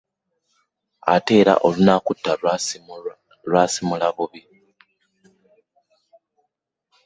Ate era olunakutta lwasimula bbiri .